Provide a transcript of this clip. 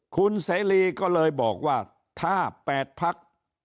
คุณเสรีก็เลยบอกว่าถ้า๘พัก